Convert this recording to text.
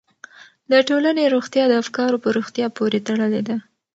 د ټولنې روغتیا د افکارو په روغتیا پورې تړلې ده.